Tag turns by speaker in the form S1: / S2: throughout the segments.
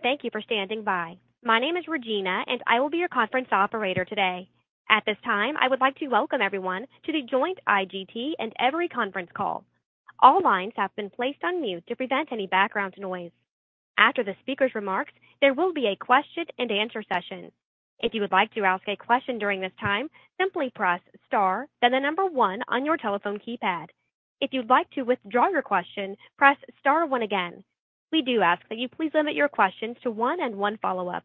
S1: Thank you for standing by. My name is Regina, and I will be your conference operator today. At this time, I would like to welcome everyone to the joint IGT and Everi conference call. All lines have been placed on mute to prevent any background noise. After the speaker's remarks, there will be a question-and-answer session. If you would like to ask a question during this time, simply press star then the number one on your telephone keypad. If you'd like to withdraw your question, press star one again. We do ask that you please limit your questions to one and one follow-up.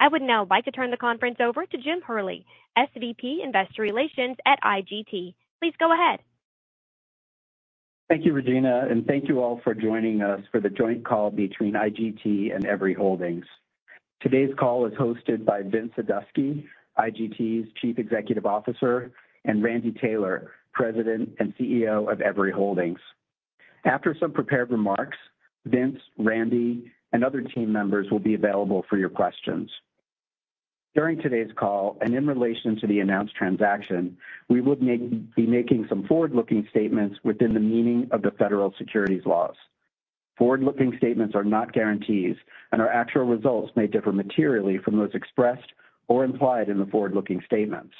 S1: I would now like to turn the conference over to Jim Hurley, SVP, Investor Relations at IGT. Please go ahead.
S2: Thank you, Regina, and thank you all for joining us for the joint call between IGT and Everi Holdings. Today's call is hosted by Vince Sadusky, IGT's Chief Executive Officer, and Randy Taylor, President and CEO of Everi Holdings. After some prepared remarks, Vince, Randy, and other team members will be available for your questions. During today's call and in relation to the announced transaction, we would be making some forward-looking statements within the meaning of the federal securities laws. Forward-looking statements are not guarantees, and our actual results may differ materially from those expressed or implied in the forward-looking statements.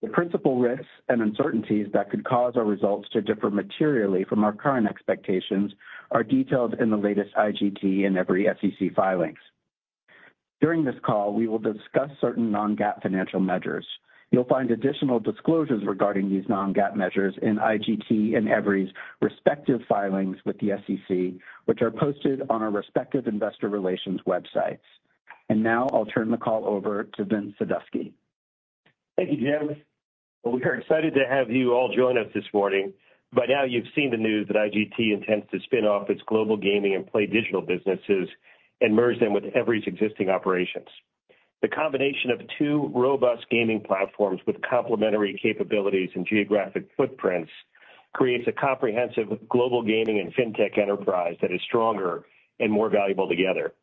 S2: The principal risks and uncertainties that could cause our results to differ materially from our current expectations are detailed in the latest IGT and Everi SEC filings. During this call, we will discuss certain non-GAAP financial measures. You'll find additional disclosures regarding these non-GAAP measures in IGT and Everi's respective filings with the SEC, which are posted on our respective investor relations websites. Now I'll turn the call over to Vince Sadusky.
S3: Thank you, Jim. We are excited to have you all join us this morning. By now, you've seen the news that IGT intends to spin off its Global Gaming and PlayDigital businesses and merge them with Everi's existing operations. The combination of two robust gaming platforms with complementary capabilities and geographic footprints creates a comprehensive Global Gaming and FinTech enterprise that is stronger and more valuable together.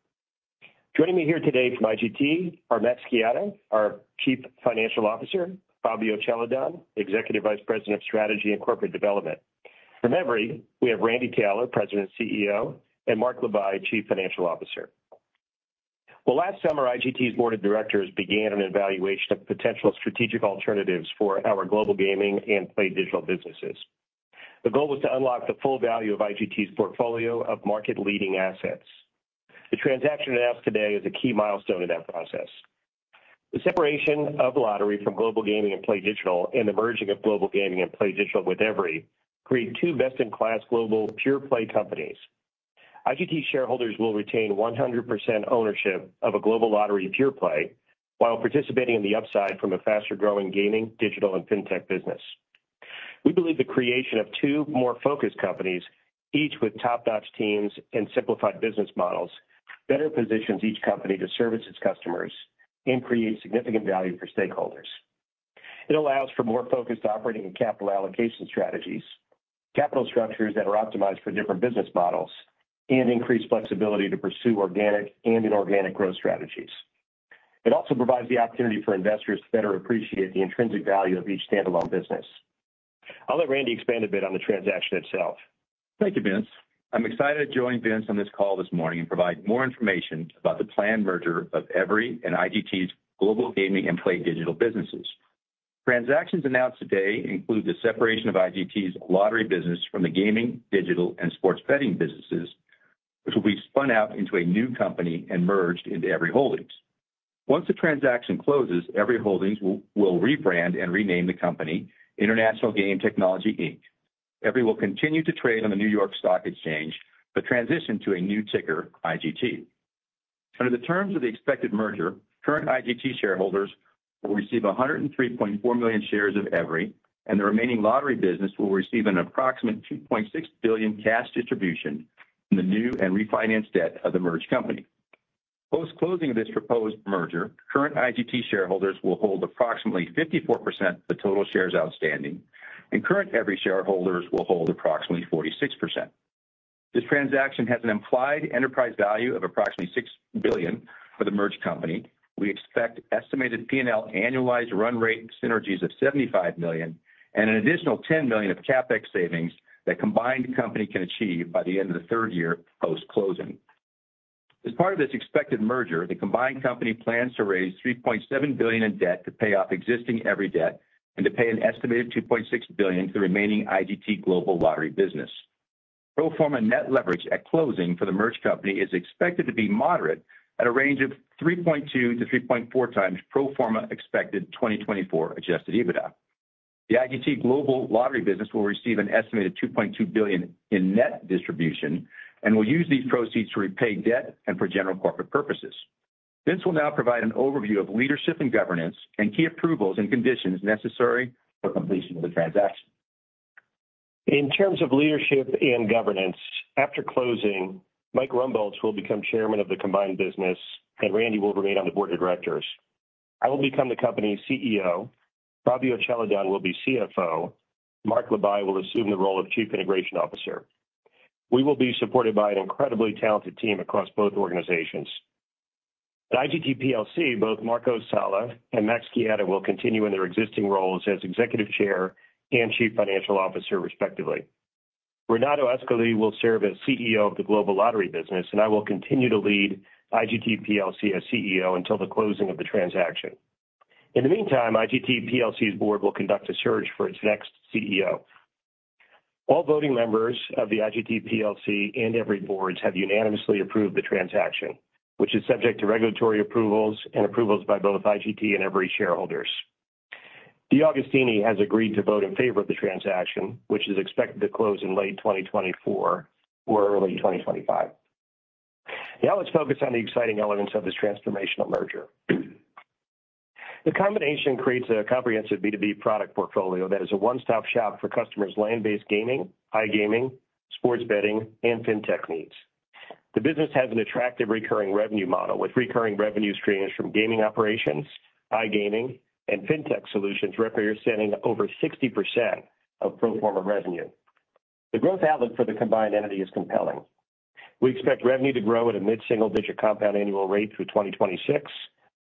S3: Joining me here today from IGT are Max Chiara, our Chief Financial Officer, Fabio Celadon, Executive Vice President of Strategy and Corporate Development. From Everi, we have Randy Taylor, President and CEO, and Mark Labay, Chief Financial Officer. Well, last summer, IGT's Board of Directors began an evaluation of potential strategic alternatives for our Global Gaming and PlayDigital businesses. The goal was to unlock the full value of IGT's portfolio of market-leading assets. The transaction announced today is a key milestone in that process. The separation of lottery from Global Gaming and PlayDigital and the merging of Global Gaming and PlayDigital with Everi create two best-in-class global pure-play companies. IGT shareholders will retain 100% ownership of a Global Lottery pure-play while participating in the upside from a faster-growing gaming, digital, and FinTech business. We believe the creation of two more focused companies, each with top-notch teams and simplified business models, better positions each company to service its customers and creates significant value for stakeholders. It allows for more focused operating and capital allocation strategies, capital structures that are optimized for different business models, and increased flexibility to pursue organic and inorganic growth strategies. It also provides the opportunity for investors to better appreciate the intrinsic value of each standalone business. I'll let Randy expand a bit on the transaction itself.
S4: Thank you, Vince. I'm excited to join Vince on this call this morning and provide more information about the planned merger of Everi and IGT's Global Gaming and PlayDigital businesses. Transactions announced today include the separation of IGT's lottery business from the gaming, digital, and sports betting businesses, which will be spun out into a new company and merged into Everi Holdings. Once the transaction closes, Everi Holdings will rebrand and rename the company International Game Technology, Inc. Everi will continue to trade on the New York Stock Exchange, but transition to a new ticker, IGT. Under the terms of the expected merger, current IGT shareholders will receive 103.4 million shares of Everi, and the remaining lottery business will receive an approximate $2.6 billion cash distribution from the new and refinanced debt of the merged company. Post-closing of this proposed merger, current IGT shareholders will hold approximately 54% of the total shares outstanding, and current Everi shareholders will hold approximately 46%. This transaction has an implied enterprise value of approximately $6 billion for the merged company. We expect estimated P&L annualized run rate synergies of $75 million and an additional $10 million of CapEx savings that combined company can achieve by the end of the third year post-closing. As part of this expected merger, the combined company plans to raise $3.7 billion in debt to pay off existing Everi debt and to pay an estimated $2.6 billion to the remaining IGT Global Lottery business. Pro forma net leverage at closing for the merged company is expected to be moderate at a range of 3.2x-3.4x pro forma expected 2024 Adjusted EBITDA. The IGT Global Lottery business will receive an estimated $2.2 billion in net distribution and will use these proceeds to repay debt and for general corporate purposes. Vince will now provide an overview of leadership and governance and key approvals and conditions necessary for completion of the transaction.
S3: In terms of leadership and governance, after closing, Mike Rumbolz will become chairman of the combined business, and Randy will remain on the board of directors. I will become the company's CEO. Fabio Celadon will be CFO. Mark Labay will assume the role of Chief Integration Officer. We will be supported by an incredibly talented team across both organizations. At IGT PLC, both Marco Sala and Max Chiara will continue in their existing roles as Executive Chair and Chief Financial Officer, respectively. Renato Ascoli will serve as CEO of the Global Lottery business, and I will continue to lead IGT PLC as CEO until the closing of the transaction. In the meantime, IGT PLC's board will conduct a search for its next CEO. All voting members of the IGT PLC and Everi boards have unanimously approved the transaction, which is subject to regulatory approvals and approvals by both IGT and Everi shareholders. De Agostini has agreed to vote in favor of the transaction, which is expected to close in late 2024 or early 2025. Now let's focus on the exciting elements of this transformational merger. The combination creates a comprehensive B2B product portfolio that is a one-stop shop for customers' land-based gaming, iGaming, sports betting, and FinTech needs. The business has an attractive recurring revenue model with recurring revenue streams from gaming operations, iGaming, and FinTech solutions representing over 60% of pro forma revenue. The growth outlook for the combined entity is compelling. We expect revenue to grow at a mid-single-digit compound annual rate through 2026,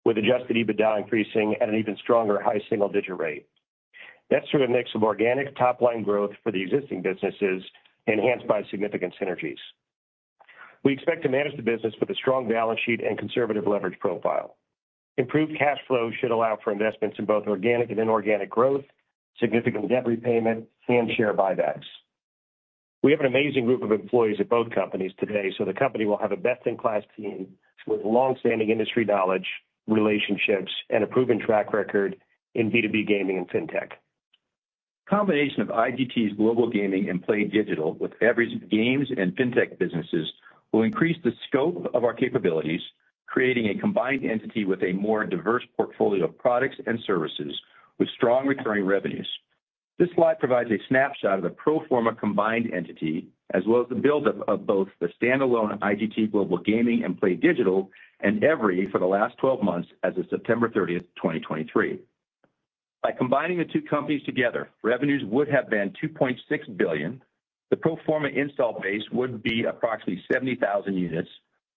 S3: with Adjusted EBITDA increasing at an even stronger high-single-digit rate. That's through a mix of organic top-line growth for the existing businesses enhanced by significant synergies. We expect to manage the business with a strong balance sheet and conservative leverage profile. Improved cash flow should allow for investments in both organic and inorganic growth, significant debt repayment, and share buybacks. We have an amazing group of employees at both companies today, so the company will have a best-in-class team with longstanding industry knowledge, relationships, and a proven track record in B2B gaming and FinTech.
S4: The combination of IGT's Global Gaming and PlayDigital with Everi's games and FinTech businesses will increase the scope of our capabilities, creating a combined entity with a more diverse portfolio of products and services with strong recurring revenues. This slide provides a snapshot of the pro forma combined entity as well as the buildup of both the standalone IGT Global Gaming and PlayDigital and Everi for the last 12 months as of September 30th, 2023. By combining the two companies together, revenues would have been $2.6 billion. The pro forma install base would be approximately 70,000 units,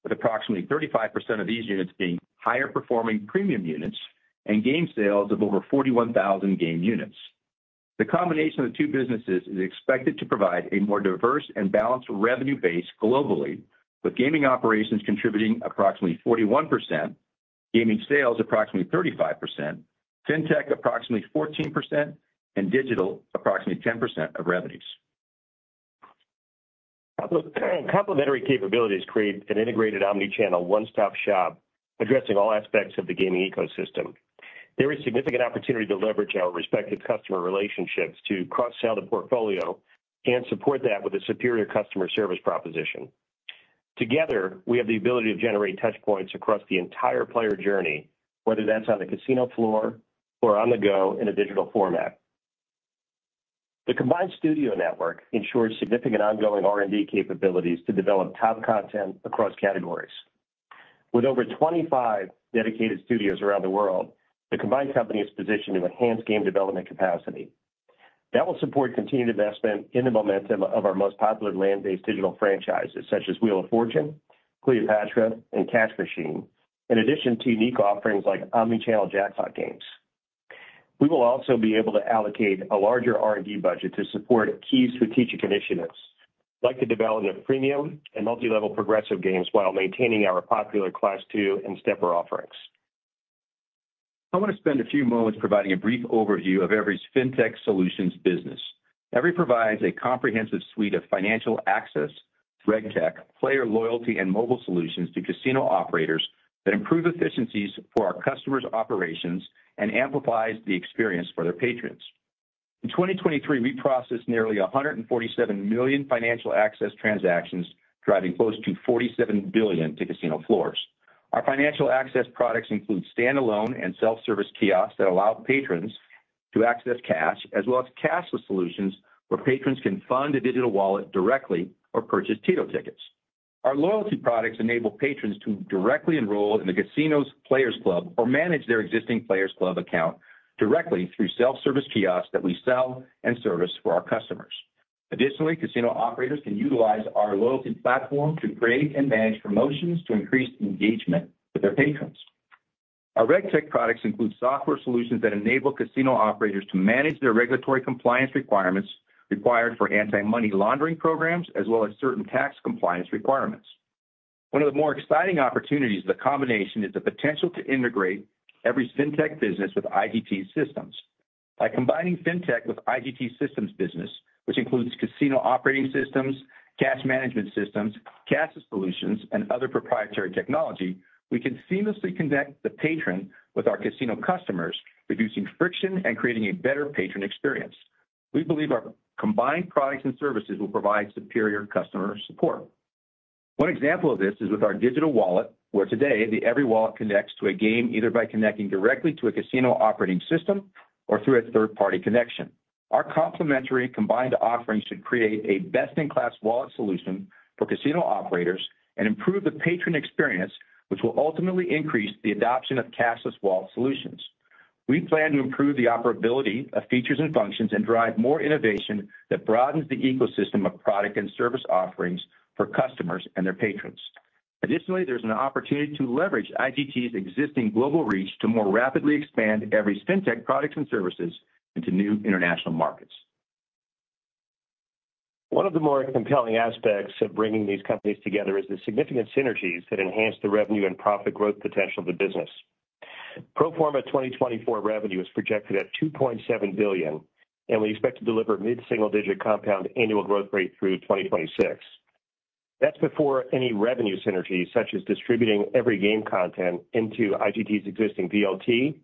S4: with approximately 35% of these units being higher-performing premium units and game sales of over 41,000 game units. The combination of the two businesses is expected to provide a more diverse and balanced revenue base globally, with gaming operations contributing approximately 41%, gaming sales approximately 35%, FinTech approximately 14%, and digital approximately 10% of revenues.
S3: Complementary capabilities create an integrated omnichannel one-stop shop addressing all aspects of the gaming ecosystem. There is significant opportunity to leverage our respective customer relationships to cross-sell the portfolio and support that with a superior customer service proposition. Together, we have the ability to generate touchpoints across the entire player journey, whether that's on the casino floor or on the go in a digital format. The combined studio network ensures significant ongoing R&D capabilities to develop top content across categories. With over 25 dedicated studios around the world, the combined company is positioned to enhance game development capacity. That will support continued investment in the momentum of our most popular land-based digital franchises such as Wheel of Fortune, Cleopatra, and Cash Machine, in addition to unique offerings like omnichannel jackpot games. We will also be able to allocate a larger R&D budget to support key strategic initiatives like the development of premium and multilevel progressive games while maintaining our popular Class II and Stepper offerings.
S4: I want to spend a few moments providing a brief overview of Everi's FinTech solutions business. Everi provides a comprehensive suite of financial access, RegTech, player loyalty, and mobile solutions to casino operators that improve efficiencies for our customers' operations and amplifies the experience for their patrons. In 2023, we processed nearly 147 million financial access transactions, driving close to $47 billion to casino floors. Our financial access products include standalone and self-service kiosks that allow patrons to access cash, as well as cashless solutions where patrons can fund a digital wallet directly or purchase TITO tickets. Our loyalty products enable patrons to directly enroll in the casino's players' club or manage their existing players' club account directly through self-service kiosks that we sell and service for our customers. Additionally, casino operators can utilize our loyalty platform to create and manage promotions to increase engagement with their patrons. Our RegTech products include software solutions that enable casino operators to manage their regulatory compliance requirements required for Anti-Money Laundering programs, as well as certain tax compliance requirements. One of the more exciting opportunities of the combination is the potential to integrate Everi's FinTech business with IGT's systems. By combining FinTech with IGT's systems business, which includes casino operating systems, cash management systems, cashless solutions, and other proprietary technology, we can seamlessly connect the patron with our casino customers, reducing friction and creating a better patron experience. We believe our combined products and services will provide superior customer support. One example of this is with our digital wallet, where today the Everi wallet connects to a game either by connecting directly to a casino operating system or through a third-party connection. Our complementary combined offering should create a best-in-class wallet solution for casino operators and improve the patron experience, which will ultimately increase the adoption of cashless wallet solutions. We plan to improve the operability of features and functions and drive more innovation that broadens the ecosystem of product and service offerings for customers and their patrons. Additionally, there's an opportunity to leverage IGT's existing global reach to more rapidly expand Everi's FinTech products and services into new international markets.
S3: One of the more compelling aspects of bringing these companies together is the significant synergies that enhance the revenue and profit growth potential of the business. Pro forma 2024 revenue is projected at $2.7 billion, and we expect to deliver a mid-single-digit compound annual growth rate through 2026. That's before any revenue synergies such as distributing Everi game content into IGT's existing VLT,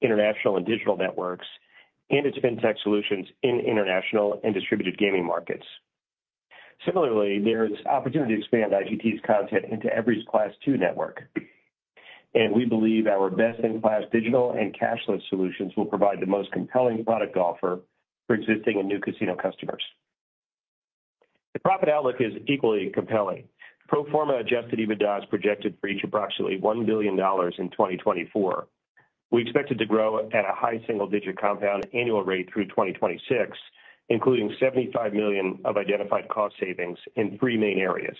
S3: international and digital networks, and its FinTech solutions in international and distributed gaming markets. Similarly, there's opportunity to expand IGT's content into Everi's Class II network, and we believe our best-in-class digital and cashless solutions will provide the most compelling product offer for existing and new casino customers. The profit outlook is equally compelling. Pro forma Adjusted EBITDA is projected for each approximately $1 billion in 2024. We expect it to grow at a high single-digit compound annual rate through 2026, including $75 million of identified cost savings in three main areas.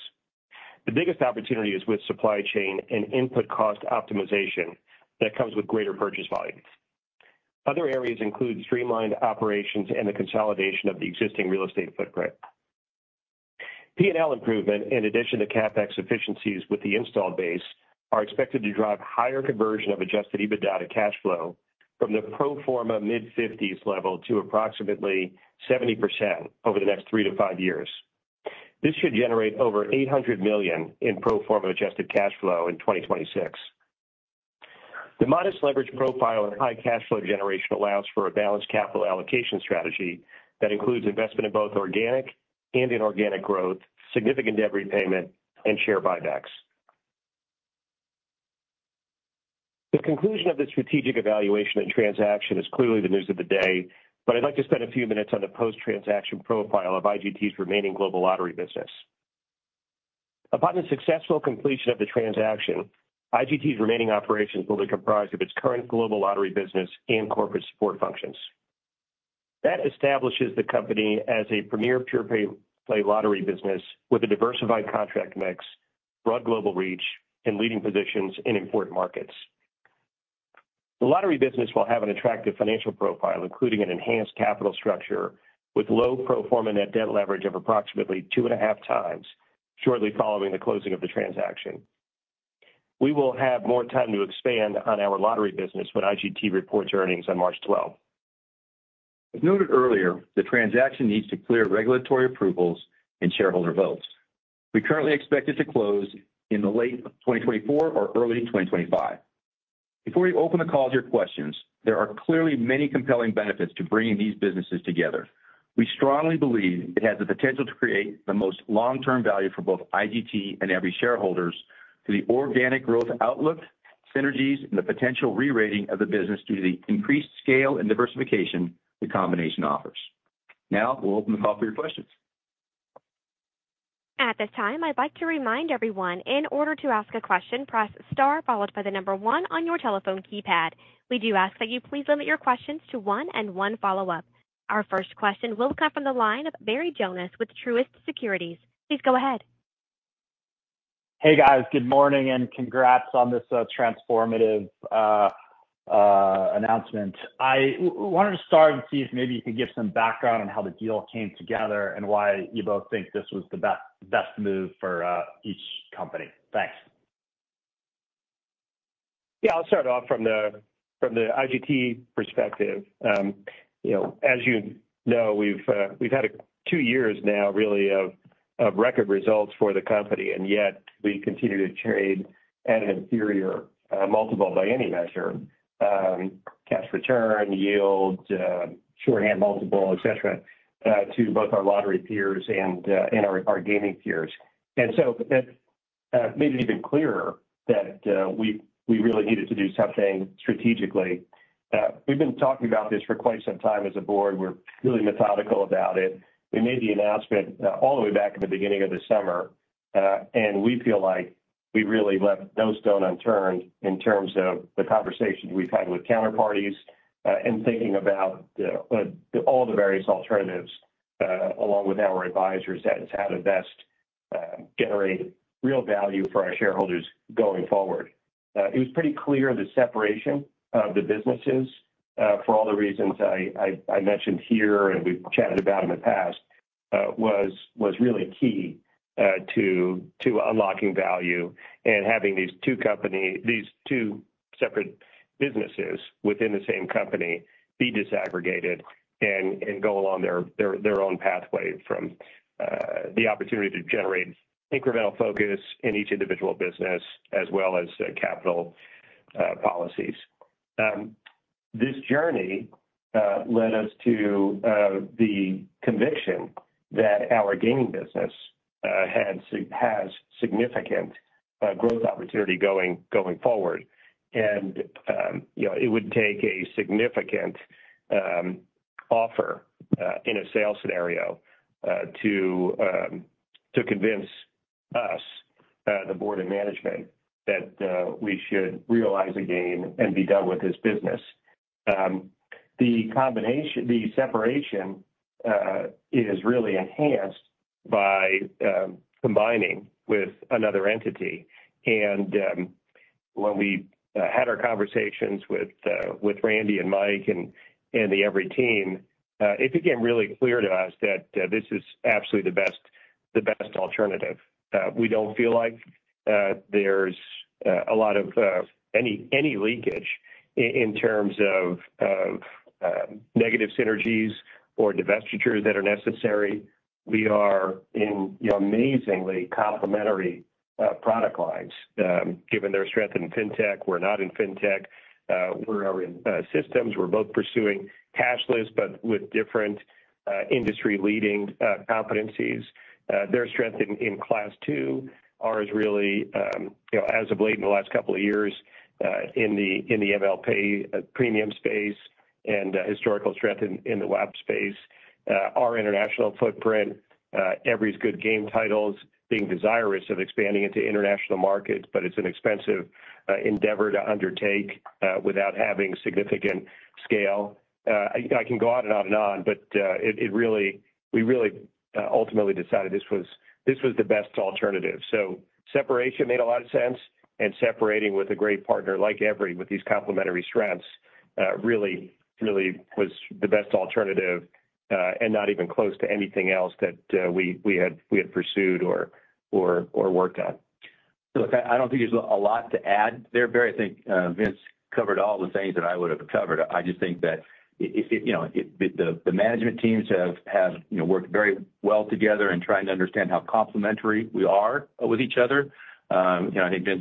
S3: The biggest opportunity is with supply chain and input cost optimization that comes with greater purchase volume. Other areas include streamlined operations and the consolidation of the existing real estate footprint. P&L improvement, in addition to CapEx efficiencies with the install base, are expected to drive higher conversion of Adjusted EBITDA to cash flow from the pro forma mid-50s level to approximately 70% over the next three to five years. This should generate over $800 million in pro forma adjusted cash flow in 2026. The modest leverage profile and high cash flow generation allows for a balanced capital allocation strategy that includes investment in both organic and inorganic growth, significant debt repayment, and share buybacks. The conclusion of the strategic evaluation and transaction is clearly the news of the day, but I'd like to spend a few minutes on the post-transaction profile of IGT's remaining Global Lottery business. Upon the successful completion of the transaction, IGT's remaining operations will be comprised of its current Global Lottery business and corporate support functions. That establishes the company as a premier pure-play lottery business with a diversified contract mix, broad global reach, and leading positions in important markets. The lottery business will have an attractive financial profile, including an enhanced capital structure with low pro forma net debt leverage of approximately 2.5x shortly following the closing of the transaction. We will have more time to expand on our lottery business when IGT reports earnings on March 12th.
S4: As noted earlier, the transaction needs to clear regulatory approvals and shareholder votes. We currently expect it to close in the late 2024 or early 2025. Before we open the call to your questions, there are clearly many compelling benefits to bringing these businesses together. We strongly believe it has the potential to create the most long-term value for both IGT and Everi shareholders through the organic growth outlook, synergies, and the potential rerating of the business due to the increased scale and diversification the combination offers. Now we'll open the call for your questions.
S1: At this time, I'd like to remind everyone, in order to ask a question, press star followed by the number one on your telephone keypad. We do ask that you please limit your questions to one and one follow-up. Our first question will come from the line of Barry Jonas with Truist Securities. Please go ahead.
S5: Hey, guys. Good morning and congrats on this transformative announcement. I wanted to start and see if maybe you could give some background on how the deal came together and why you both think this was the best move for each company. Thanks.
S3: Yeah, I'll start off from the IGT perspective. As you know, we've had two years now, really, of record results for the company, and yet we continue to trade at an inferior multiple by any measure: cash return, yield, shorthand multiple, etc., to both our lottery peers and our gaming peers. And so that made it even clearer that we really needed to do something strategically. We've been talking about this for quite some time as a board. We're really methodical about it. We made the announcement all the way back at the beginning of the summer, and we feel like we really left no stone unturned in terms of the conversations we've had with counterparties and thinking about all the various alternatives along with our advisors as how to best generate real value for our shareholders going forward. It was pretty clear the separation of the businesses, for all the reasons I mentioned here and we've chatted about in the past, was really key to unlocking value and having these two separate businesses within the same company be disaggregated and go along their own pathway from the opportunity to generate incremental focus in each individual business as well as capital policies. This journey led us to the conviction that our gaming business has significant growth opportunity going forward, and it would take a significant offer in a sale scenario to convince us, the board and management, that we should realize a game and be done with this business. The separation is really enhanced by combining with another entity. When we had our conversations with Randy and Mike and the Everi team, it became really clear to us that this is absolutely the best alternative. We don't feel like there's a lot of any leakage in terms of negative synergies or divestitures that are necessary. We are in amazingly complementary product lines, given their strength in fintech. We're not in fintech. We're in systems. We're both pursuing cashless but with different industry-leading competencies. Their strength in Class II, ours really, as of late in the last couple of years, in the MLP premium space and historical strength in the WAP space, our international footprint, Everi's good game titles being desirous of expanding into international markets, but it's an expensive endeavor to undertake without having significant scale. I can go on and on and on, but we really ultimately decided this was the best alternative. Separation made a lot of sense, and separating with a great partner like Everi with these complementary strengths really was the best alternative and not even close to anything else that we had pursued or worked on.
S4: Look, I don't think there's a lot to add there, Barry. I think Vince covered all the things that I would have covered. I think Vince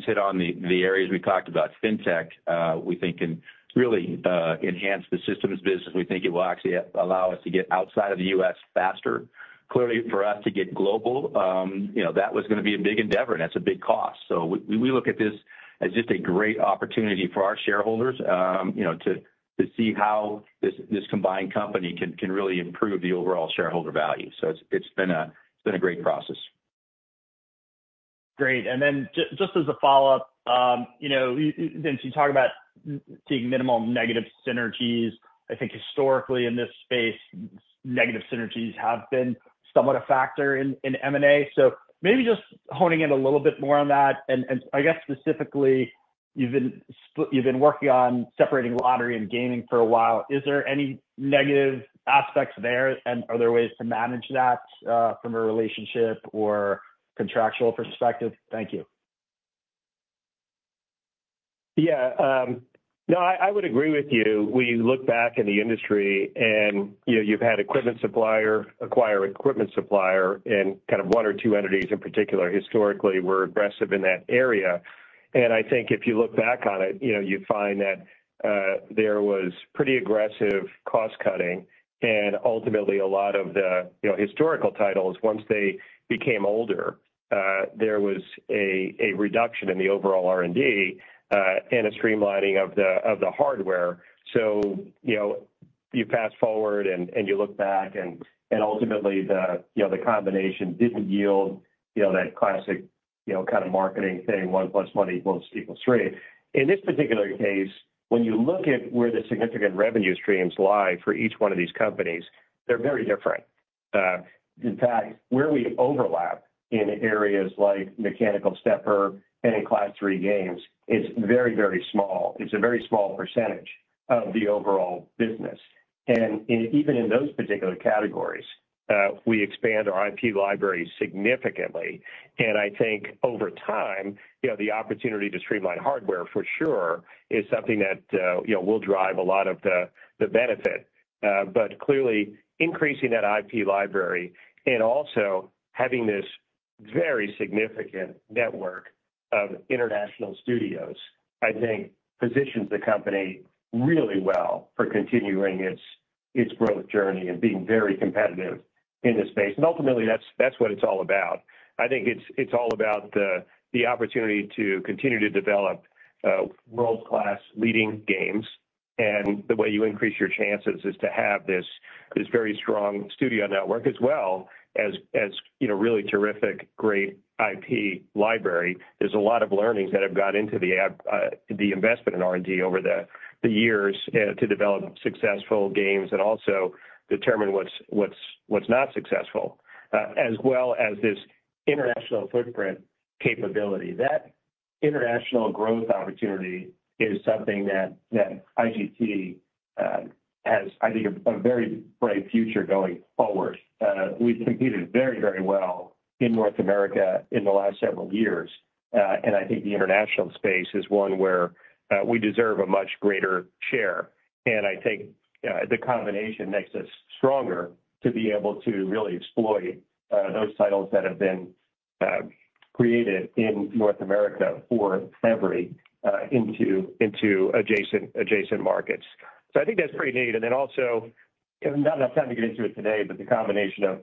S4: hit on the areas we talked about. Fintech, we think, can really enhance the systems business. We think it will actually allow us to get outside of the U.S. faster. Clearly, for us to get global, that was going to be a big endeavor, and that's a big cost. So we look at this as just a great opportunity for our shareholders to see how this combined company can really improve the overall shareholder value. So it's been a great process.
S5: Great. And then just as a follow-up, Vince, you talked about seeing minimal negative synergies. I think historically, in this space, negative synergies have been somewhat a factor in M&A. So maybe just honing in a little bit more on that. And I guess specifically, you've been working on separating lottery and gaming for a while. Is there any negative aspects there, and are there ways to manage that from a relationship or contractual perspective? Thank you.
S3: Yeah. No, I would agree with you. We look back in the industry, and you've had equipment supplier acquire equipment supplier, and kind of one or two entities in particular historically were aggressive in that area. And I think if you look back on it, you find that there was pretty aggressive cost-cutting. And ultimately, a lot of the historical titles, once they became older, there was a reduction in the overall R&D and a streamlining of the hardware. So you fast-forward and you look back, and ultimately, the combination didn't yield that classic kind of marketing thing, "One plus one equals three." In this particular case, when you look at where the significant revenue streams lie for each one of these companies, they're very different. In fact, where we overlap in areas like mechanical stepper and in Class III games, it's very, very small. It's a very small percentage of the overall business. Even in those particular categories, we expand our IP library significantly. I think over time, the opportunity to streamline hardware, for sure, is something that will drive a lot of the benefit. But clearly, increasing that IP library and also having this very significant network of international studios, I think, positions the company really well for continuing its growth journey and being very competitive in this space. Ultimately, that's what it's all about. I think it's all about the opportunity to continue to develop world-class leading games. The way you increase your chances is to have this very strong studio network as well as really terrific, great IP library. There's a lot of learnings that have gone into the investment in R&D over the years to develop successful games and also determine what's not successful, as well as this international footprint capability. That international growth opportunity is something that IGT has, I think, a very bright future going forward. We've competed very, very well in North America in the last several years, and I think the international space is one where we deserve a much greater share. And I think the combination makes us stronger to be able to really exploit those titles that have been created in North America for Everi into adjacent markets. So I think that's pretty neat. And then also, not enough time to get into it today, but the combination of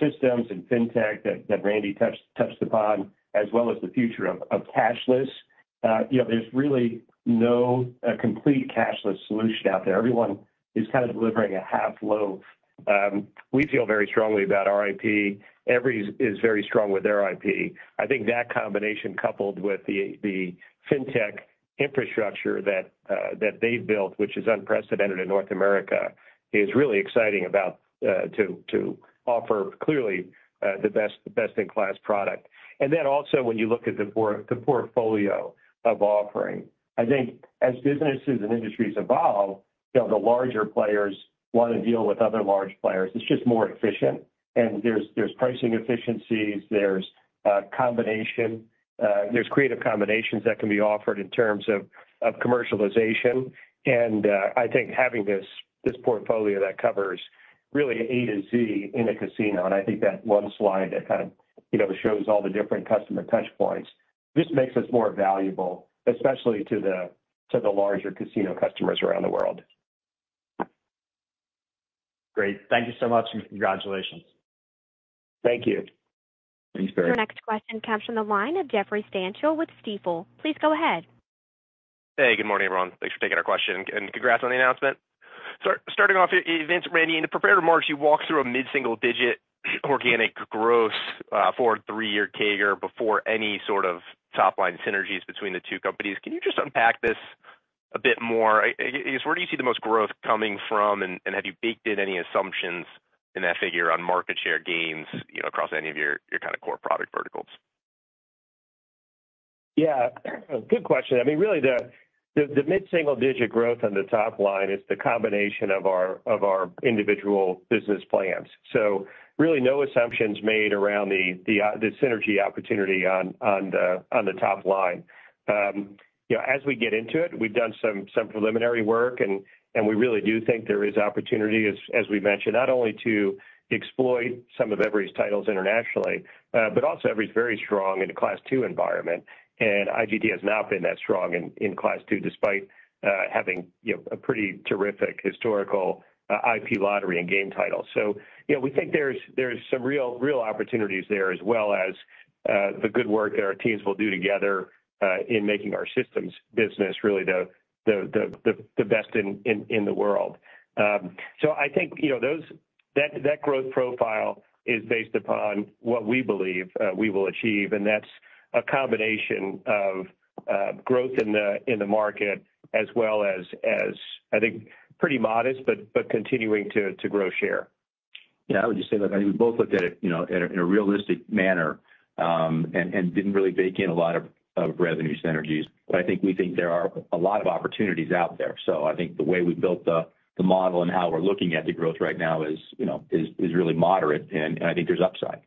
S3: systems and FinTech that Randy touched upon, as well as the future of cashless, there's really no complete cashless solution out there. Everyone is kind of delivering a half loaf. We feel very strongly about our IP. Everi is very strong with their IP. I think that combination, coupled with the FinTech infrastructure that they've built, which is unprecedented in North America, is really exciting to offer clearly the best-in-class product. And then also, when you look at the portfolio of offering, I think as businesses and industries evolve, the larger players want to deal with other large players. It's just more efficient. And there's pricing efficiencies. There's creative combinations that can be offered in terms of commercialization. And I think having this portfolio that covers really A to Z in a casino, and I think that one slide that kind of shows all the different customer touchpoints, just makes us more valuable, especially to the larger casino customers around the world.
S5: Great. Thank you so much, and congratulations.
S3: Thank you.
S4: Thanks, Barry.
S1: Our next question captured on the line of Jeffrey Stantial with Stifel. Please go ahead.
S6: Hey, good morning, everyone. Thanks for taking our question and congrats on the announcement. Starting off here, Vince, Randy, in the preparatory remarks, you walked through a mid-single-digit organic growth for a three-year CAGR before any sort of top-line synergies between the two companies. Can you just unpack this a bit more? I guess, where do you see the most growth coming from, and have you baked in any assumptions in that figure on market share gains across any of your kind of core product verticals?
S3: Yeah, good question. I mean, really, the mid-single-digit growth on the top line is the combination of our individual business plans. So really, no assumptions made around the synergy opportunity on the top line. As we get into it, we've done some preliminary work, and we really do think there is opportunity, as we mentioned, not only to exploit some of Everi's titles internationally, but also Everi's very strong in a Class II environment. And IGT has not been that strong in Class II despite having a pretty terrific historical IP lottery and game title. So we think there's some real opportunities there, as well as the good work that our teams will do together in making our systems business really the best in the world. So I think that growth profile is based upon what we believe we will achieve, and that's a combination of growth in the market as well as, I think, pretty modest but continuing to grow share.
S4: Yeah, I would just say, look, I think we both looked at it in a realistic manner and didn't really bake in a lot of revenue synergies. But I think we think there are a lot of opportunities out there. So I think the way we built the model and how we're looking at the growth right now is really moderate, and I think there's upside.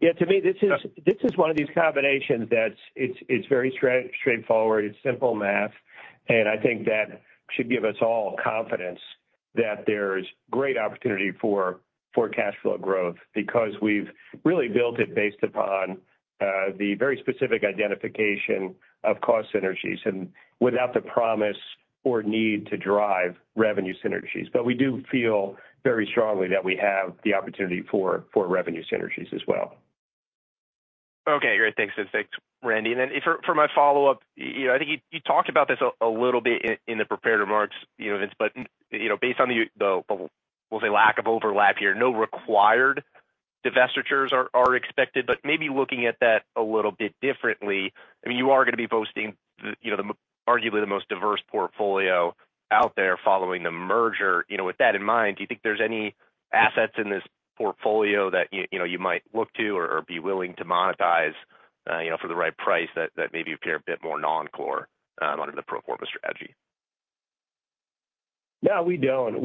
S3: Yeah, to me, this is one of these combinations that's very straightforward. It's simple math, and I think that should give us all confidence that there's great opportunity for cash flow growth because we've really built it based upon the very specific identification of cost synergies and without the promise or need to drive revenue synergies. But we do feel very strongly that we have the opportunity for revenue synergies as well.
S6: Okay, great. Thanks, Vince. Thanks, Randy. And then for my follow-up, I think you talked about this a little bit in the preparatory remarks, Vince, but based on the, we'll say, lack of overlap here, no required divestitures are expected. But maybe looking at that a little bit differently, I mean, you are going to be boasting arguably the most diverse portfolio out there following the merger. With that in mind, do you think there's any assets in this portfolio that you might look to or be willing to monetize for the right price that maybe appear a bit more non-core under the pro forma strategy?
S3: No, we don't. As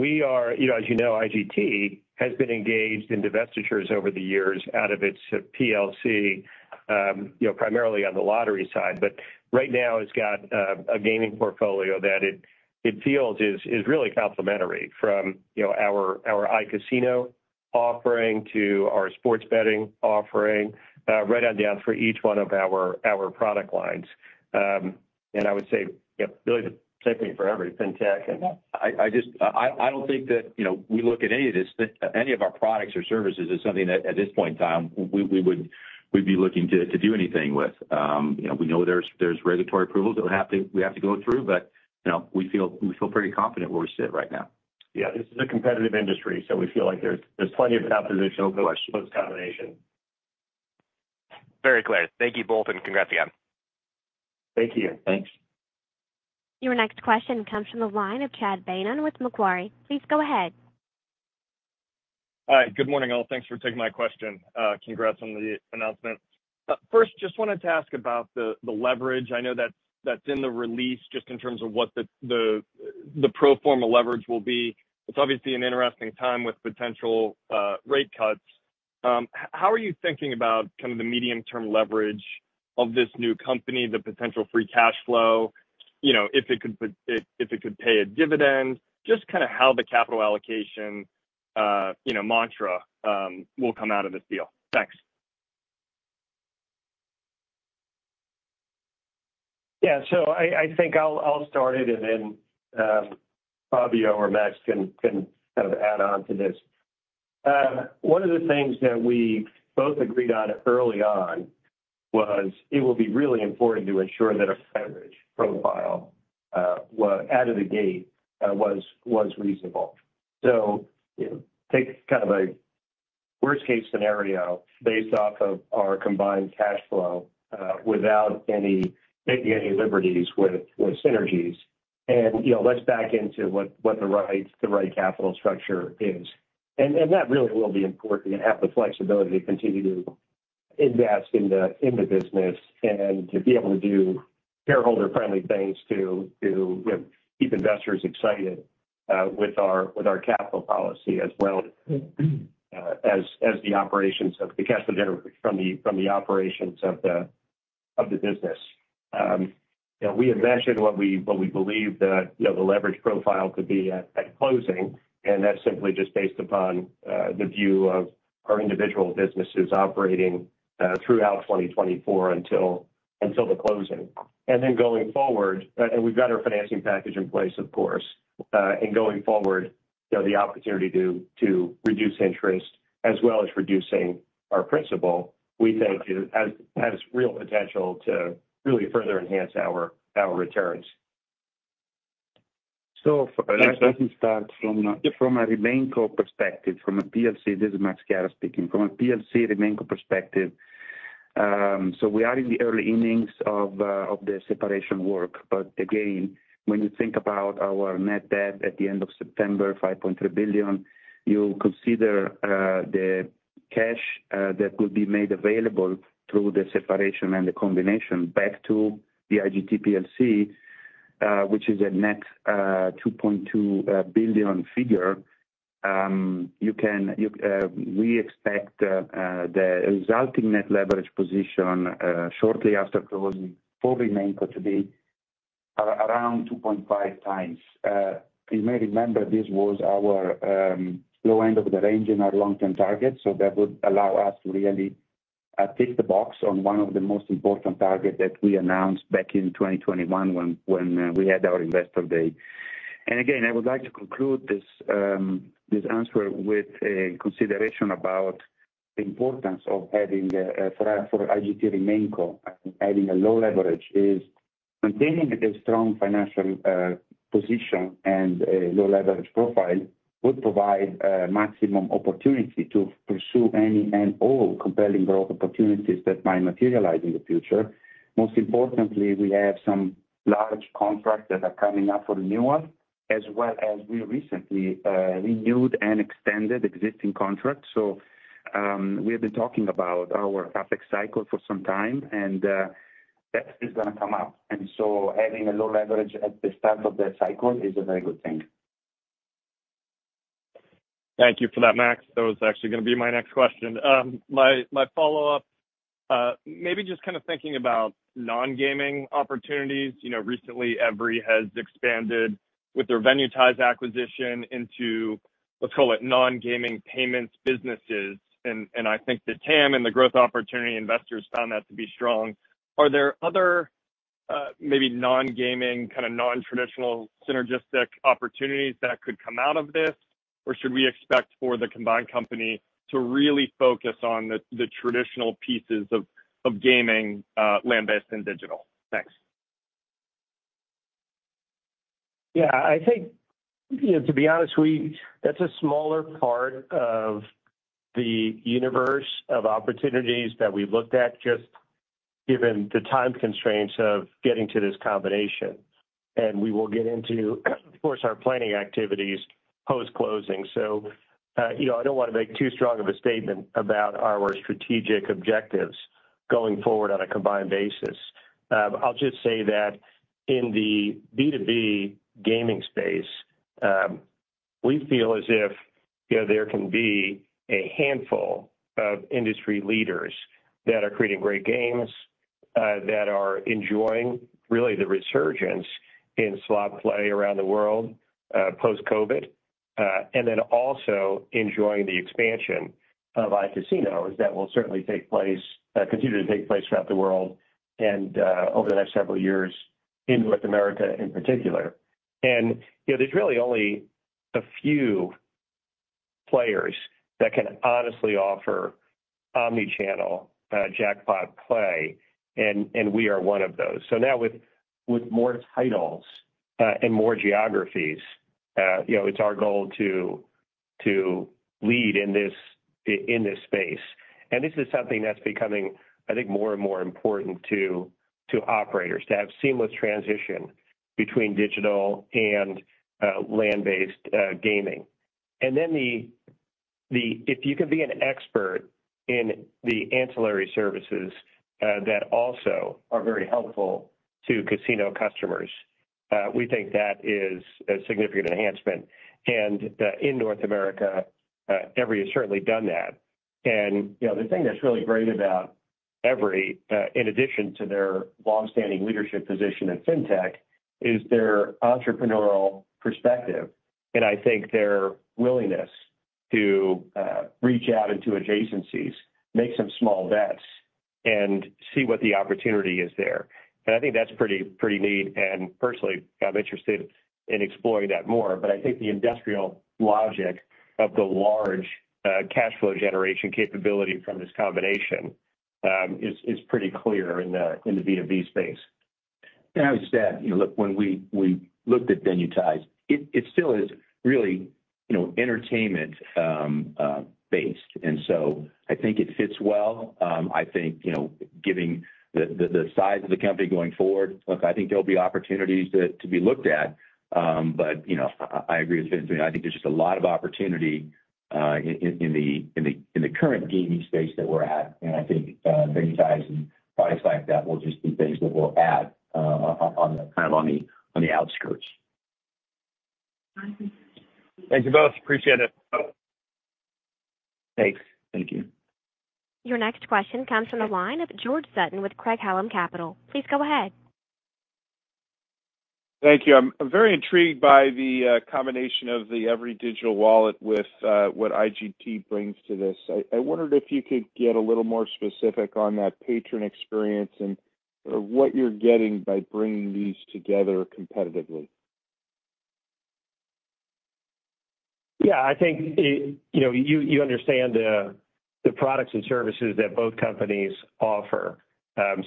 S3: you know, IGT has been engaged in divestitures over the years out of its PLC, primarily on the lottery side. But right now, it's got a gaming portfolio that it feels is really complementary from our iCasino offering to our sports betting offering, right on down for each one of our product lines. And I would say really the same thing for Everi, FinTech. I don't think that we look at any of our products or services as something that, at this point in time, we would be looking to do anything with. We know there's regulatory approvals that we have to go through, but we feel pretty confident where we sit right now.
S4: Yeah, this is a competitive industry, so we feel like there's plenty of competition for this combination.
S6: Very clear. Thank you both, and congrats again.
S4: Thank you.
S3: Thanks.
S1: Your next question comes from the line of Chad Beynon with Macquarie. Please go ahead.
S7: All right. Good morning, all. Thanks for taking my question. Congrats on the announcement. First, just wanted to ask about the leverage. I know that's in the release just in terms of what the pro forma leverage will be. It's obviously an interesting time with potential rate cuts. How are you thinking about kind of the medium-term leverage of this new company, the potential free cash flow, if it could pay a dividend, just kind of how the capital allocation mantra will come out of this deal? Thanks.
S3: Yeah, so I think I'll start it, and then Fabio or Max can kind of add on to this. One of the things that we both agreed on early on was it will be really important to ensure that a leverage profile out of the gate was reasonable. So take kind of a worst-case scenario based off of our combined cash flow without making any liberties with synergies. And let's back into what the right capital structure is. And that really will be important to have the flexibility to continue to invest in the business and to be able to do shareholder-friendly things to keep investors excited with our capital policy as well as the cash flow generated from the operations of the business. We had mentioned what we believed that the leverage profile could be at closing, and that's simply just based upon the view of our individual businesses operating throughout 2024 until the closing. Then going forward, and we've got our financing package in place, of course, and going forward, the opportunity to reduce interest as well as reducing our principal, we think, has real potential to really further enhance our returns.
S8: So let me start from a remaining perspective, from a PLC. This is Max Chiara speaking. From a PLC remaining perspective, so we are in the early innings of the separation work. But again, when you think about our net debt at the end of September $5.3 billion, you consider the cash that will be made available through the separation and the combination back to the IGT PLC, which is a net $2.2 billion figure, we expect the resulting net leverage position shortly after closing for remaining to be around 2.5x. You may remember this was our low end of the range in our long-term target, so that would allow us to really tick the box on one of the most important targets that we announced back in 2021 when we had our investor day. Again, I would like to conclude this answer with a consideration about the importance of having for IGT remaining having a low leverage. Maintaining a strong financial position and a low leverage profile would provide maximum opportunity to pursue any and all compelling growth opportunities that might materialize in the future. Most importantly, we have some large contracts that are coming up for renewal, as well as we recently renewed and extended existing contracts. So we have been talking about our CapEx cycle for some time, and that is going to come up. Having a low leverage at the start of the cycle is a very good thing.
S7: Thank you for that, Max. That was actually going to be my next question. My follow-up, maybe just kind of thinking about non-gaming opportunities. Recently, Everi has expanded with their Venuetize acquisition into, let's call it, non-gaming payments businesses. And I think that TAM and the growth opportunity investors found that to be strong. Are there other maybe non-gaming, kind of non-traditional synergistic opportunities that could come out of this, or should we expect for the combined company to really focus on the traditional pieces of gaming land-based and digital? Thanks.
S3: Yeah, I think, to be honest, that's a smaller part of the universe of opportunities that we've looked at just given the time constraints of getting to this combination. And we will get into, of course, our planning activities post-closing. So I don't want to make too strong of a statement about our strategic objectives going forward on a combined basis. I'll just say that in the B2B gaming space, we feel as if there can be a handful of industry leaders that are creating great games, that are enjoying really the resurgence in slot play around the world post-COVID, and then also enjoying the expansion of iCasino that will certainly continue to take place throughout the world and over the next several years in North America in particular. And there's really only a few players that can honestly offer omnichannel jackpot play, and we are one of those. So now with more titles and more geographies, it's our goal to lead in this space. And this is something that's becoming, I think, more and more important to operators, to have seamless transition between digital and land-based gaming. And then if you can be an expert in the Ancillary Services that also are very helpful to casino customers, we think that is a significant enhancement. And in North America, Everi has certainly done that. And the thing that's really great about Everi, in addition to their longstanding leadership position in FinTech, is their entrepreneurial perspective and I think their willingness to reach out into adjacencies, make some small bets, and see what the opportunity is there. And I think that's pretty neat. And personally, I'm interested in exploring that more. But I think the industrial logic of the large cash flow generation capability from this combination is pretty clear in the B2B space.
S4: I would just add, look, when we looked at Venuetize, it still is really entertainment-based. So I think it fits well. I think given the size of the company going forward, look, I think there'll be opportunities to be looked at. But I agree with Vince. I mean, I think there's just a lot of opportunity in the current gaming space that we're at. And I think Venuetize and products like that will just be things that we'll add kind of on the outskirts.
S7: Thanks to both. Appreciate it.
S3: Thanks.
S4: Thank you.
S1: Your next question comes from the line of George Sutton with Craig-Hallum Capital Group. Please go ahead.
S9: Thank you. I'm very intrigued by the combination of the Everi digital wallet with what IGT brings to this. I wondered if you could get a little more specific on that patron experience and sort of what you're getting by bringing these together competitively?
S3: Yeah, I think you understand the products and services that both companies offer.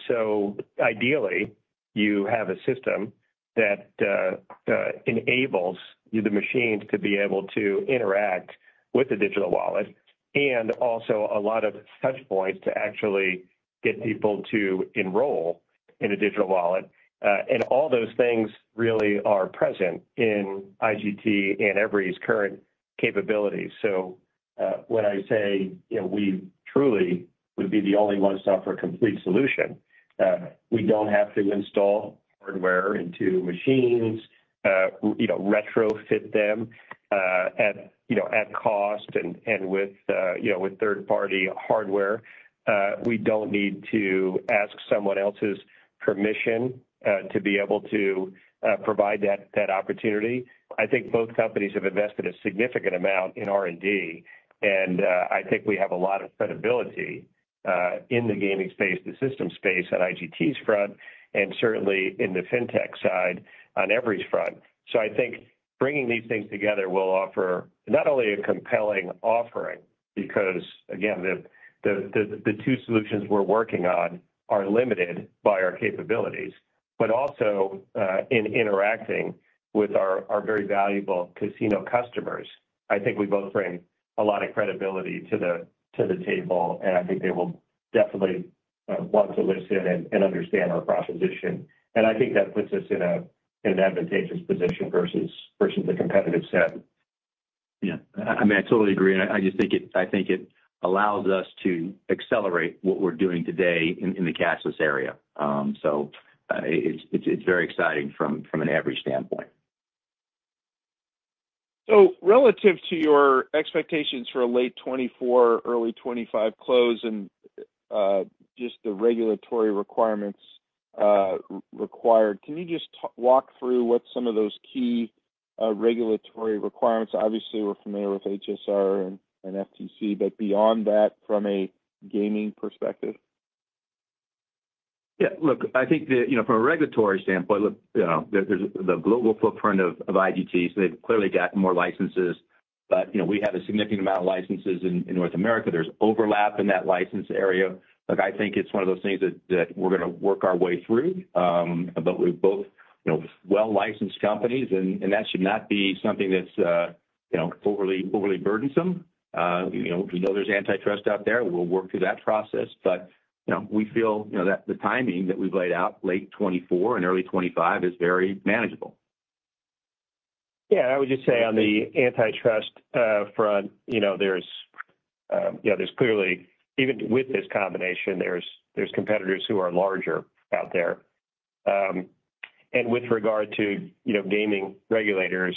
S3: So ideally, you have a system that enables the machines to be able to interact with the digital wallet and also a lot of touchpoints to actually get people to enroll in a digital wallet. And all those things really are present in IGT and Everi's current capabilities. So when I say we truly would be the only one to offer a complete solution, we don't have to install hardware into machines, retrofit them at cost, and with third-party hardware, we don't need to ask someone else's permission to be able to provide that opportunity. I think both companies have invested a significant amount in R&D. And I think we have a lot of credibility in the gaming space, the system space, on IGT's front, and certainly in the FinTech side on Everi's front. So I think bringing these things together will offer not only a compelling offering because, again, the two solutions we're working on are limited by our capabilities, but also in interacting with our very valuable casino customers. I think we both bring a lot of credibility to the table. And I think they will definitely want to listen and understand our proposition. And I think that puts us in an advantageous position versus the competitive set.
S4: Yeah. I mean, I totally agree. And I just think it allows us to accelerate what we're doing today in the cashless area. So it's very exciting from an Everi standpoint.
S9: So relative to your expectations for a late 2024, early 2025 close and just the regulatory requirements required, can you just walk through what some of those key regulatory requirements? Obviously, we're familiar with HSR and FTC, but beyond that from a gaming perspective?
S4: Yeah. Look, I think from a regulatory standpoint, look, there's the global footprint of IGT. So they've clearly got more licenses. But we have a significant amount of licenses in North America. There's overlap in that license area. Look, I think it's one of those things that we're going to work our way through. But we're both well-licensed companies, and that should not be something that's overly burdensome. We know there's antitrust out there. We'll work through that process. But we feel that the timing that we've laid out, late 2024 and early 2025, is very manageable.
S3: Yeah. I would just say on the antitrust front, there's clearly even with this combination, there's competitors who are larger out there. With regard to gaming regulators,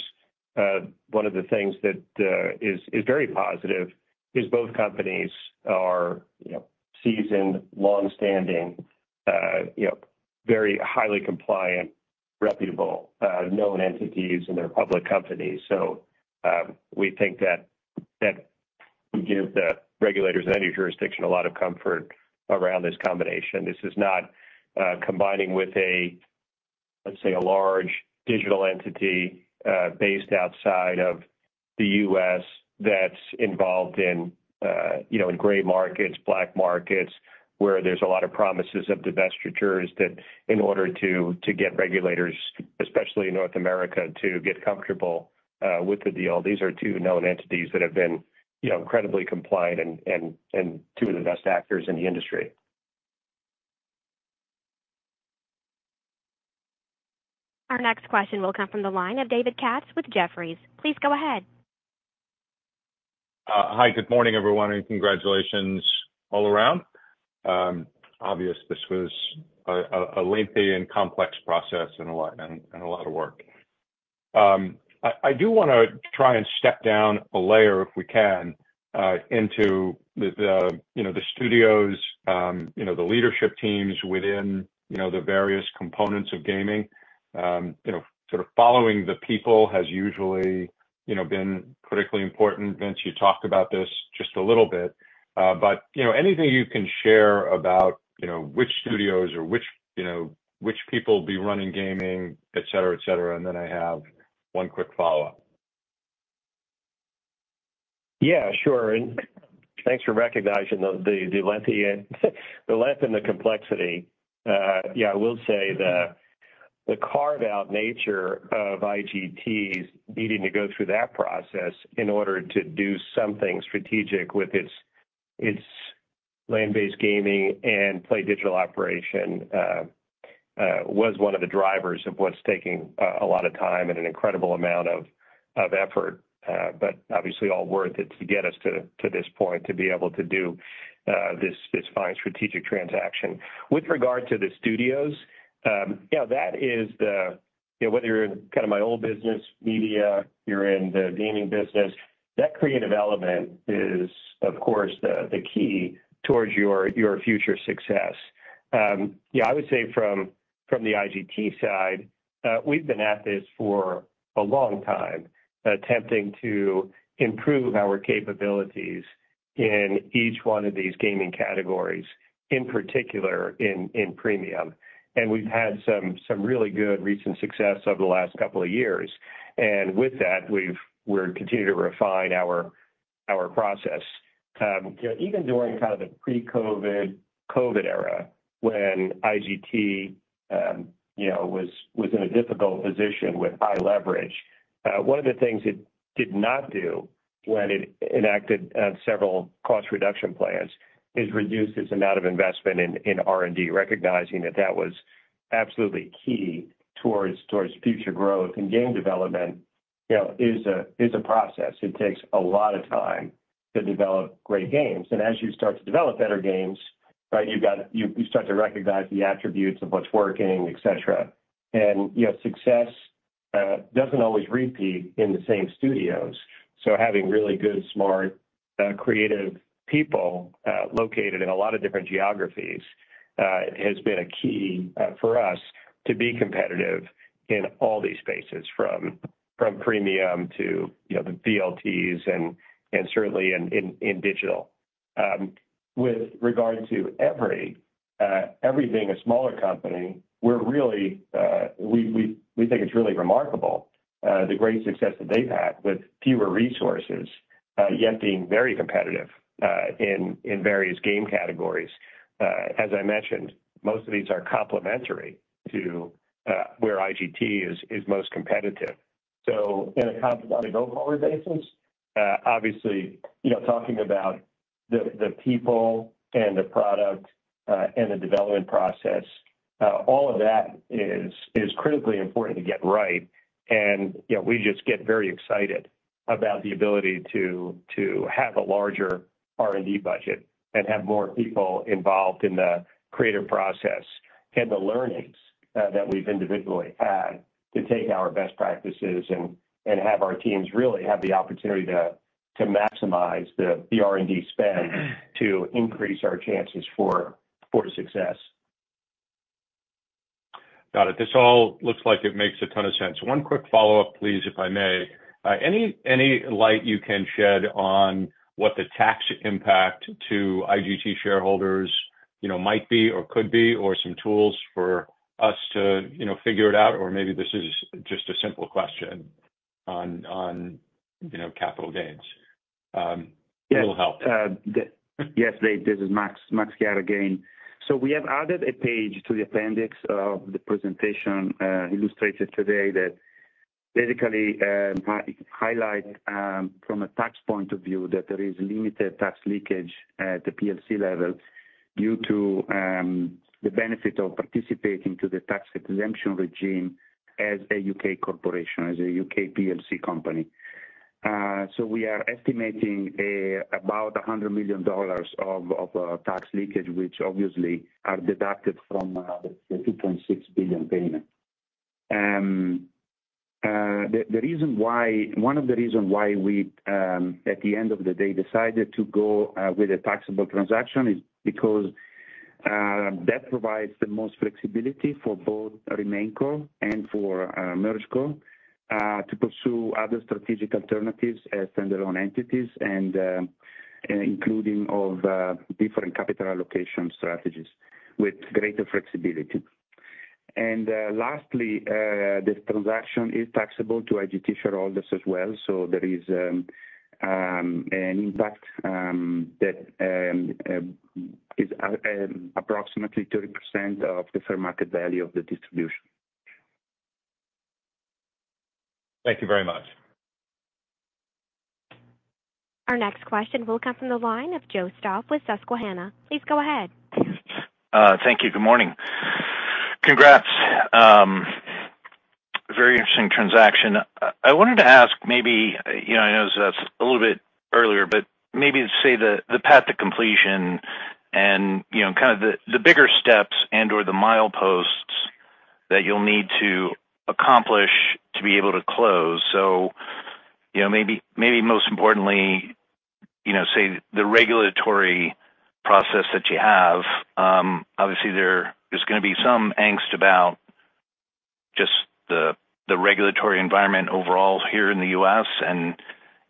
S3: one of the things that is very positive is both companies are seasoned, longstanding, very highly compliant, reputable, known entities, and they're public companies. So we think that we give the regulators in any jurisdiction a lot of comfort around this combination. This is not combining with, let's say, a large digital entity based outside of the U.S. that's involved in gray markets, black markets, where there's a lot of promises of divestitures that in order to get regulators, especially in North America, to get comfortable with the deal. These are two known entities that have been incredibly compliant and two of the best actors in the industry
S1: Our next question will come from the line of David Katz with Jefferies. Please go ahead.
S10: Hi. Good morning, everyone, and congratulations all around. Obviously, this was a lengthy and complex process and a lot of work. I do want to try and step down a layer, if we can, into the studios, the leadership teams within the various components of gaming. Sort of following the people has usually been critically important. Vince, you talked about this just a little bit. But anything you can share about which studios or which people be running gaming, etc., etc., and then I have one quick follow-up.
S3: Yeah, sure. And thanks for recognizing the length and the complexity. Yeah, I will say the carved-out nature of IGT's needing to go through that process in order to do something strategic with its land-based gaming and PlayDigital operation was one of the drivers of what's taking a lot of time and an incredible amount of effort, but obviously all worth it to get us to this point, to be able to do this fine strategic transaction. With regard to the studios, that is, whether you're in kind of my old business media, you're in the gaming business, that creative element is, of course, the key towards your future success. Yeah, I would say from the IGT side, we've been at this for a long time, attempting to improve our capabilities in each one of these gaming categories, in particular in Premium. We've had some really good recent success over the last couple of years. With that, we're continuing to refine our process. Even during kind of the pre-COVID era when IGT was in a difficult position with high leverage, one of the things it did not do when it enacted several cost reduction plans is reduce its amount of investment in R&D, recognizing that that was absolutely key towards future growth. Game development is a process. It takes a lot of time to develop great games. As you start to develop better games, right, you start to recognize the attributes of what's working, etc. Success doesn't always repeat in the same studios. So having really good, smart, creative people located in a lot of different geographies has been a key for us to be competitive in all these spaces, from premium to the VLTs and certainly in digital. With regard to Everi, Everi being a smaller company, we think it's really remarkable, the great success that they've had with fewer resources yet being very competitive in various game categories. As I mentioned, most of these are complementary to where IGT is most competitive. So on a go-forward basis, obviously, talking about the people and the product and the development process, all of that is critically important to get right. We just get very excited about the ability to have a larger R&D budget and have more people involved in the creative process and the learnings that we've individually had to take our best practices and have our teams really have the opportunity to maximize the R&D spend to increase our chances for success.
S10: Got it. This all looks like it makes a ton of sense. One quick follow-up, please, if I may. Any light you can shed on what the tax impact to IGT shareholders might be or could be or some tools for us to figure it out? Or maybe this is just a simple question on capital gains. It will help.
S8: Yes, Dave. This is Max Chiara again. So we have added a page to the appendix of the presentation illustrated today that basically highlights from a tax point of view that there is limited tax leakage at the PLC level due to the benefit of participating to the tax exemption regime as a U.K. corporation, as a U.K. PLC company. So we are estimating about $100 million of tax leakage, which obviously are deducted from the $2.6 billion payment. One of the reasons why we, at the end of the day, decided to go with a taxable transaction is because that provides the most flexibility for both RemainCo and for MergeCo to pursue other strategic alternatives as standalone entities, including different capital allocation strategies with greater flexibility. Lastly, this transaction is taxable to IGT shareholders as well. There is an impact that is approximately 30% of the fair market value of the distribution.
S10: Thank you very much.
S1: Our next question will come from the line of Joe Stauff with Susquehanna. Please go ahead.
S11: Thank you. Good morning. Congrats. Very interesting transaction. I wanted to ask maybe I know that's a little bit earlier, but maybe say the path to completion and kind of the bigger steps and/or the mileposts that you'll need to accomplish to be able to close. So maybe most importantly, say the regulatory process that you have. Obviously, there's going to be some angst about just the regulatory environment overall here in the U.S. And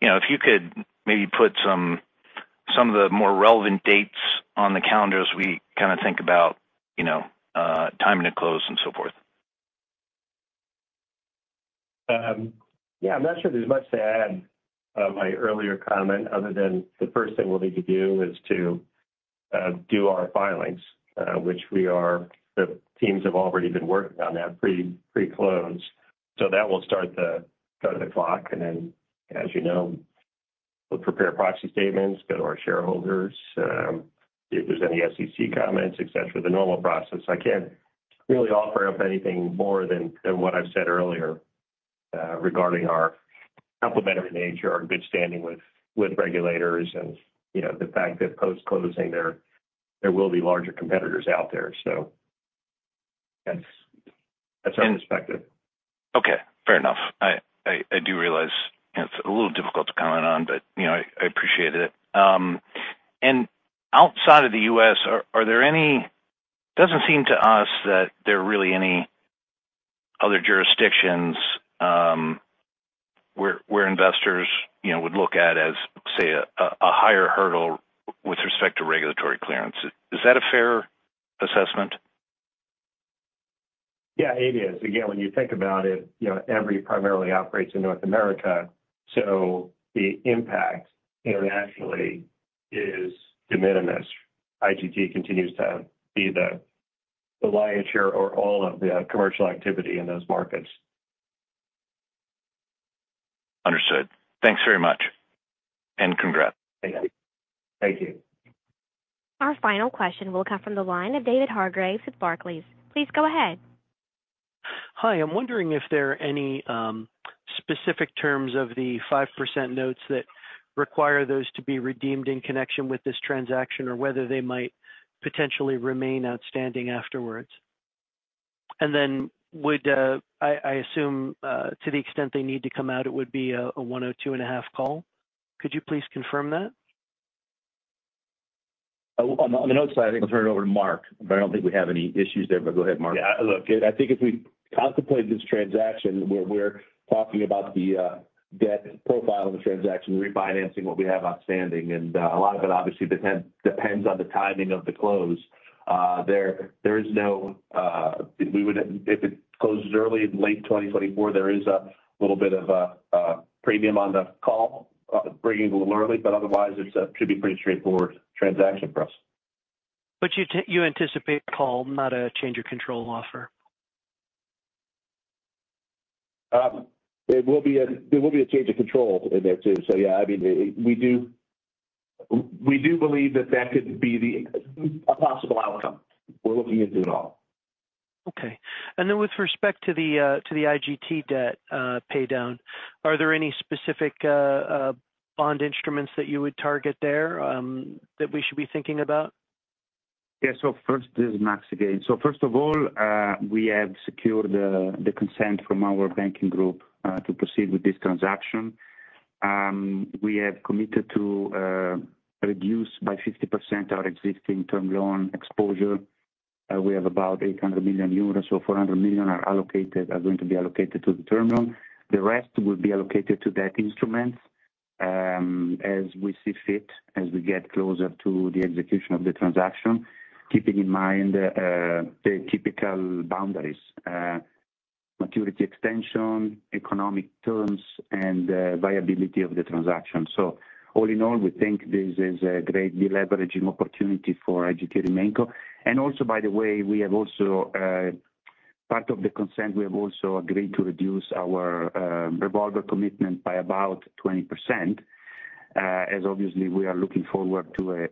S11: if you could maybe put some of the more relevant dates on the calendar as we kind of think about timing to close and so forth.
S3: Yeah. I'm not sure there's much to add to my earlier comment other than the first thing we'll need to do is to do our filings, which the teams have already been working on that pre-close. So that will start the clock. And then, as you know, we'll prepare proxy statements, go to our shareholders, see if there's any SEC comments, etc., the normal process. I can't really offer up anything more than what I've said earlier regarding our complementary nature, our good standing with regulators, and the fact that post-closing, there will be larger competitors out there. So that's our perspective.
S11: Okay. Fair enough. I do realize it's a little difficult to comment on, but I appreciated it. Outside of the U.S., doesn't seem to us that there are really any other jurisdictions where investors would look at as, say, a higher hurdle with respect to regulatory clearance. Is that a fair assessment?
S3: Yeah, it is. Again, when you think about it, Everi primarily operates in North America. So the impact internationally is de minimis. IGT continues to be the lion's share or all of the commercial activity in those markets.
S11: Understood. Thanks very much. Congrats.
S3: Thank you. Thank you.
S1: Our final question will come from the line of David Hargreaves with Barclays. Please go ahead.
S12: Hi. I'm wondering if there are any specific terms of the 5% notes that require those to be redeemed in connection with this transaction or whether they might potentially remain outstanding afterwards. Then I assume to the extent they need to come out, it would be a 102.5% call. Could you please confirm that?
S3: On the notes side, I think
S4: I'll turn it over to Mark, but I don't think we have any issues there. But go ahead, Mark.
S13: Yeah. Look, I think if we contemplate this transaction, we're talking about the debt profile of the transaction, refinancing what we have outstanding. A lot of it, obviously, depends on the timing of the close. There is no if it closes early in late 2024. There is a little bit of a premium on the call, bringing it a little early. But otherwise, it should be a pretty straightforward transaction for us.
S12: But you anticipate a call, not a change of control offer?
S13: There will be a change of control in there too. So yeah, I mean, we do believe that that could be a possible outcome. We're looking into it all.
S12: Okay. And then with respect to the IGT debt paydown, are there any specific bond instruments that you would target there that we should be thinking about?
S8: Yeah. So first is Max again. So first of all, we have secured the consent from our banking group to proceed with this transaction. We have committed to reduce by 50% our existing term loan exposure. We have about 800 million euros. So 400 million are going to be allocated to the term loan. The rest will be allocated to debt instruments as we see fit, as we get closer to the execution of the transaction, keeping in mind the typical boundaries: maturity extension, economic terms, and viability of the transaction. So all in all, we think this is a great deleveraging opportunity for IGT RemainCo. And also, by the way, part of the consent, we have also agreed to reduce our revolver commitment by about 20%, as obviously, we are looking forward to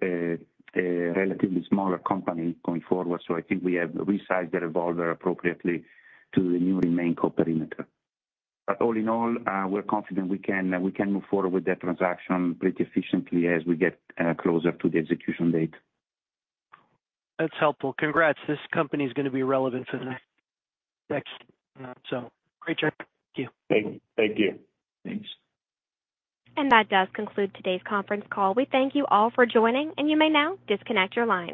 S8: a relatively smaller company going forward. So I think we have resized the revolver appropriately to the new RemainCo perimeter. But all in all, we're confident we can move forward with that transaction pretty efficiently as we get closer to the execution date.
S12: That's helpful. Congrats. This company is going to be relevant for the next so great job. Thank you.
S3: Thank you.
S4: Thanks.
S1: That does conclude today's conference call. We thank you all for joining, and you may now disconnect your line.